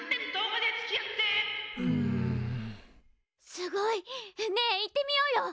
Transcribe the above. すごいねえ行ってみようよ！